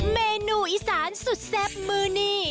เมนูอีสานสุดแซ่บมือนี่